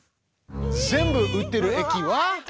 全部売ってる駅は。